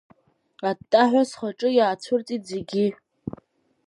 Аттаҳәа схаҿы иаацәырҵит зегьы.